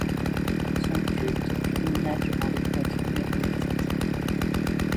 Son culte culmina durant l'époque méroïtique.